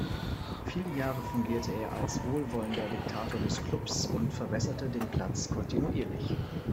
Viele Jahre fungierte er als „wohlwollender Diktator“ des Clubs und verbesserte den Platz kontinuierlich.